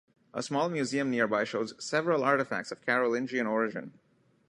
A small museum nearby shows several artifacts of Carolingian origin.